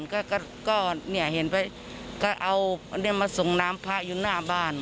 ก็เอามาส่งน้ำพระอยู่หน้าบ้าน